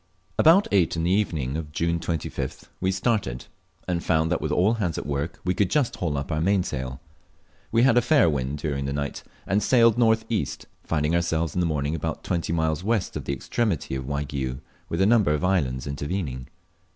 About eight in the evening of June 25th we started, and found that with all hands at work we could just haul up our mainsail. We had a fair wind during the night and sailed north east, finding ourselves in the morning about twenty miles west of the extremity of Waigiou with a number of islands intervening.